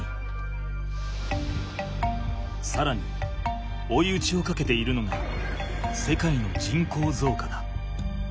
さらに追い打ちをかけているのが世界の人口増加だ。